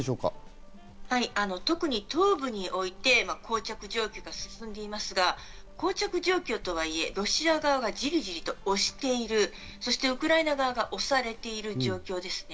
特に東部において膠着状況が進んでいますが、膠着状況とはいえ、ロシア側がジリジリと押している、そしてウクライナ側が押されている状況ですね。